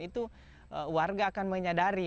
itu warga akan menyadari